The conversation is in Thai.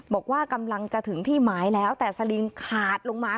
บอกว่ากำลังจะถึงที่หมายแล้วแต่สลิงขาดลงมา